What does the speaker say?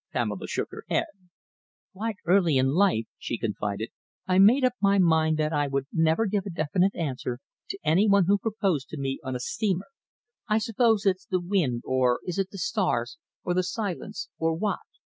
Pamela shook her head. "Quite early in life," she confided, "I made up my mind that I would never give a definite answer to any one who proposed to me on a steamer. I suppose it's the wind, or is it the stars, or the silence, or what?